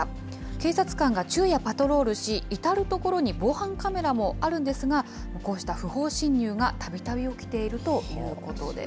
警察官が昼夜パトロールし、至る所に防犯カメラもあるんですが、こうした不法侵入がたびたび起きているということです。